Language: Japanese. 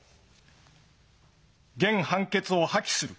原判決を破棄する。